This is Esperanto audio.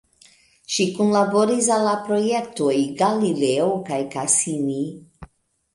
Ŝi kunlaboris al la projektoj Galileo kaj Cassini.